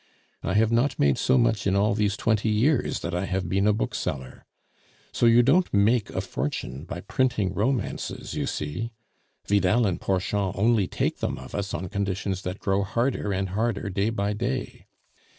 I have not made so much in all these twenty years that I have been a bookseller. So you don't make a fortune by printing romances, you see. Vidal and Porchon only take them of us on conditions that grow harder and harder day by day.